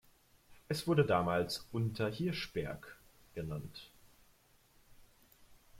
Es wurde damals "Unter Hirschberg genannt".